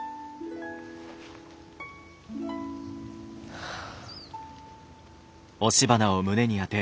はあ。